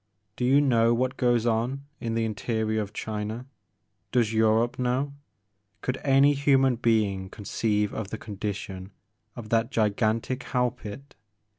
Do you know what goes on in the interior of China? Does Europe know, — could any human being conceive of the condition of that gigantic hell pit?